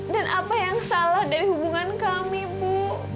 dan apa yang salah dari hubungan kami ibu